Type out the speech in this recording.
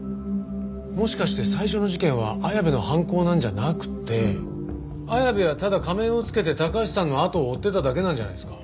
もしかして最初の事件は綾部の犯行なんじゃなくて綾部はただ仮面を着けて高橋さんのあとを追ってただけなんじゃないですか？